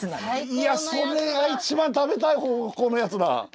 いやそれが一番食べたい方向のやつだ。